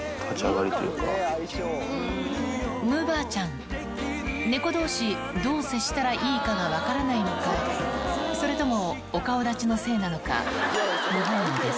むぅばあちゃん、猫どうしどう接したらいいかが分からないのか、それともお顔だちのせいなのか、無反応です。